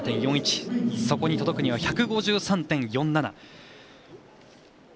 そこに届くには１５３．４７。